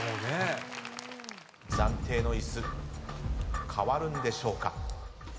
暫定の椅子替わるんでしょうか。